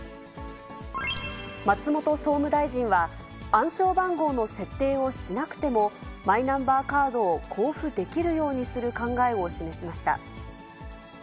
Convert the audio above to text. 松本総務大臣は、暗証番号の設定をしなくても、マイナンバーカードを交付できるようにする考えを示しました。